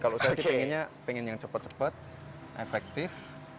kalau saya sih pengennya pengen yang cepat cepat efektif